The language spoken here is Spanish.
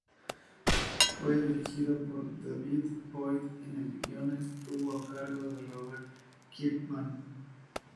Fue dirigido por David Boyd y el guion estuvo a cargo de Robert Kirkman.